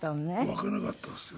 わからなかったんですよ。